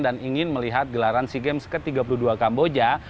dan ingin melihat gelaran sea games ke tiga puluh dua kamboja